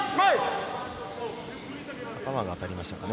頭が当たりましたかね。